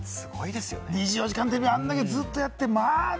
『２４時間テレビ』、あれだけずっとやって、まぁね！